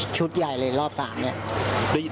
ใหญ่เลยรอบ๓เนี่ย